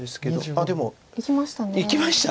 あっでもいきました。